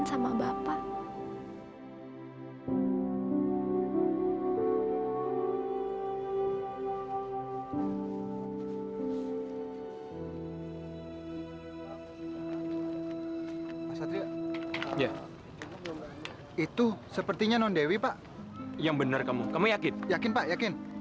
sampai jumpa di video selanjutnya